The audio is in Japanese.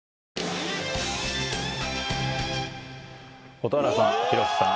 蛍原さん広瀬さん